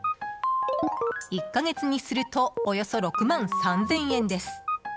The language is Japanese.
１か月にするとおよそ６万３０００円です。